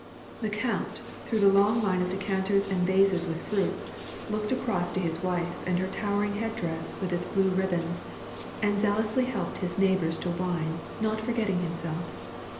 The co«nt, through the long line of decanters and vases with fruits, looked across to his wife and her towering head dress with its blue ribbons, and zealously helped his neighbors to wine, not forgetting himself.